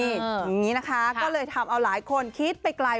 อย่างนี้นะคะก็เลยทำเอาหลายคนคิดไปไกล